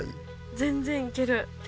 全然いける手。